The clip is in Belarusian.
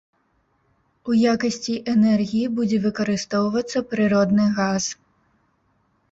У якасці энергіі будзе выкарыстоўвацца прыродны газ.